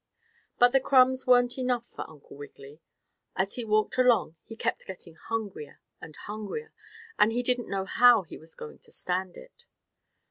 But the crumbs weren't enough for Uncle Wiggily. As he walked along he kept getting hungrier and hungrier and he didn't know how he was going to stand it.